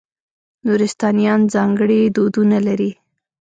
نورستانیان ځانګړي دودونه لري.